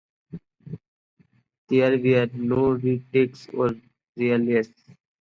There were no retakes or rehearsals.